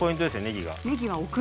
ねぎが。